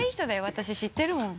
私知ってるもん。